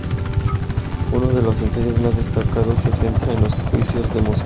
Uno de sus ensayos más destacados se centra en los juicios de Moscú.